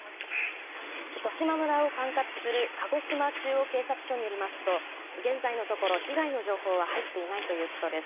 十島村を管轄する鹿児島中央警察署によりますと現在のところ被害の情報は入っていないということです。